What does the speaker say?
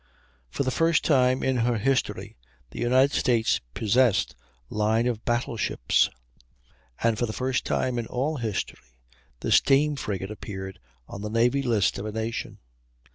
For the first time in her history the United States possessed line of battle ships; and for the first time in all history, the steam frigate appeared on the navy list of a nation.